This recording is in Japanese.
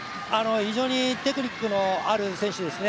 非常にテクニックのある選手ですね。